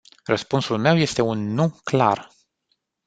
Răspunsul meu este un "nu” clar.